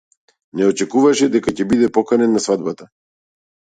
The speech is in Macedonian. Не очекуваше дека ќе биде поканет на свадбата.